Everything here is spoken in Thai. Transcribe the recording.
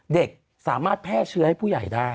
เด็กสามารถแพร่เชื้อให้ผู้ใหญ่ได้